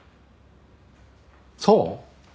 そう？